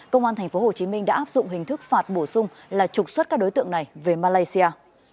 công an tp hcm đã áp dụng hình thức phạt bổ sung là trục xuất các đối tượng này về malaysia